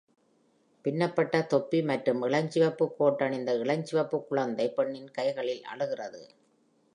பின்னப்பட்ட தொப்பி மற்றும் இளஞ்சிவப்பு கோட் அணிந்த இளஞ்சிவப்புக் குழந்தை பெண்ணின் கைகளில் அழுகிறது.